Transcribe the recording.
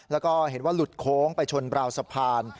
แล้วก็เห็นว่าหลุดโค้งไปชนราวสะพาน